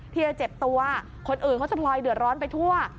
ที่จะเจ็บตัวคนอื่นเขาจะพลอยเดือดร้อนไปทั่ว